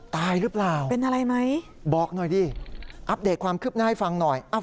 ตายหรือเปล่าบอกหน่อยดิอัปเดตความคืบหน้าให้ฟังหน่อยเป็นอะไรไหม